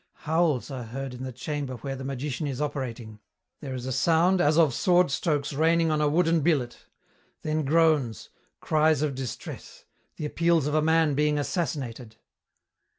Howls are heard in the chamber where the magician is operating. There is "a sound as of sword strokes raining on a wooden billet," then groans, cries of distress, the appeals of a man being assassinated.